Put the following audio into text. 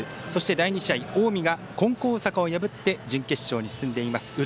そして第２試合、近江が金光大阪を破って準決勝に進んでいます。